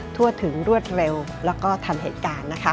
ทั่วถึงรวดเร็วและทันเหตุการณ์